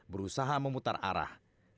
berusaha memutar arah